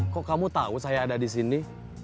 kok kamu tahu saya ada di sini